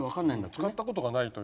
使ったことがないという。